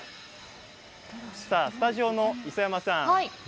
スタジオの磯山さん